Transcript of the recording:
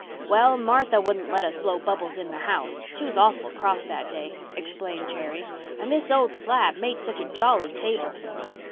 "Well, Martha wouldn't let us blow bubbles in the house. She was awful cross that day," explained Jerry. "And this old slab made such a jolly table."